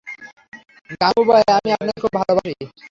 গাঙুবাই, আমি আপনাকে খুব ভালোবাসি।